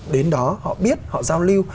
đến đó họ biết họ giao lưu